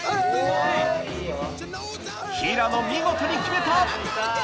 平野見事に決めた！